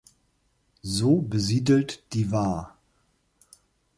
So besiedelt die var.